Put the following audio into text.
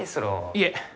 いえ。